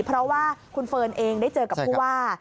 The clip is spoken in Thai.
เพราะว่าคุณเฟิร์นเองได้เจอกับผู้ว่า